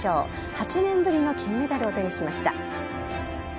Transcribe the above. ８年ぶりの金メダルを手にしました。